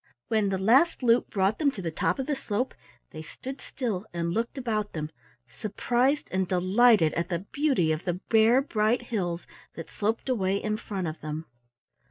When the last loop brought them to the top of the slope they stood still and looked about them, surprised and delighted at the beauty of the bare bright hills that sloped away in front of them.